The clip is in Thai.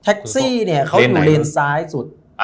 ทักซิเขาอยู่เลนส้ายสุด